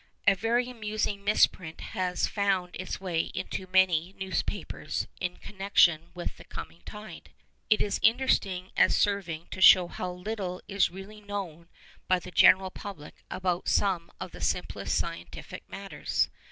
A very amusing misprint has found its way into many newspapers in connection with the coming tide. It is interesting as serving to show how little is really known by the general public about some of the simplest scientific matters.